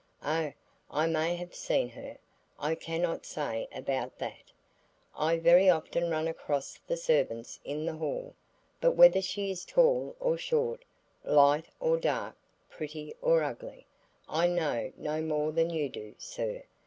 "O, I may have seen her, I can not say about that; I very often run across the servants in the hall; but whether she is tall or short, light or dark, pretty or ugly, I know no more than you do, sir."